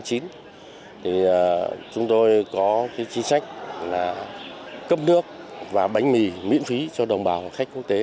thì chúng tôi có chính sách là cấp nước và bánh mì miễn phí cho đồng bào khách quốc tế